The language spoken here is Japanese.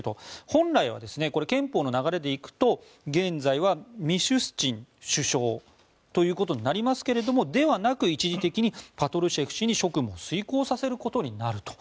本来は憲法の流れで行くと現在はミシュスチン首相となりますがではなく一時的にパトルシェフ氏に一時的に職務を遂行させることになると。